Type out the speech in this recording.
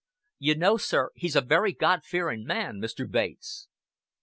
You know, sir, he's a very God fearing man, Mr. Bates."